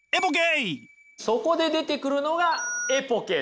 そこで出てくるのがああ！